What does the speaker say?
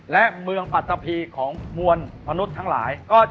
และเมืองปัตตะพีของมวลมนุษย์ทั้งหลาย